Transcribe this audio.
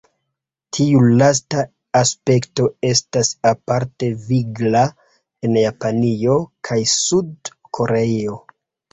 Tiu lasta aspekto estas aparte vigla en Japanio kaj Sud-Koreio.